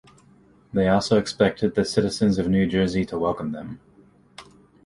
They also expected the citizens of New Jersey to welcome them.